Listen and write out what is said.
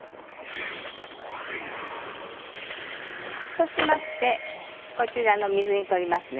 そうしましてこちらの水に取りますね。